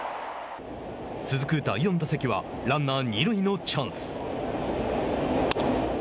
続く第４打席はランナー二塁のチャンス。